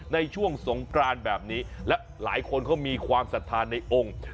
ในช่วงสงกรานแบบนี้และหลายคนเขามีความศรัทธาในองค์